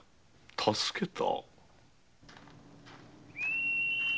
助けた？